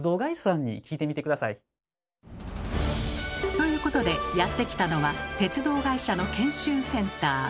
ということでやって来たのは鉄道会社の研修センター。